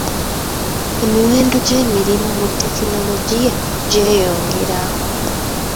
Emiwendo gy'emirimu mu tekinologiya gyeyongera.